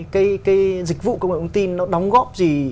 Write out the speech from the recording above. cái dịch vụ công nghệ thông tin nó đóng góp gì